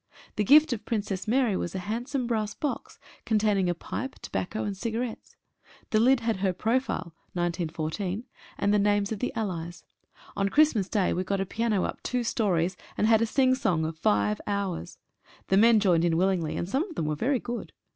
The gift of the Princess Mary was a hand some brass box containing a pipe, tobacco, and cigarettes. The lid had her profile — 1914 — and the names of the Allies. On Christmas day we got a piano up two stories, and had a sing song of five hours. The men joined in willingly, and some of them were very good.